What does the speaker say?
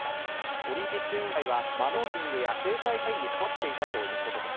オリンピック委員会は、マネーロンダリングや制裁回避に関わっていたということです。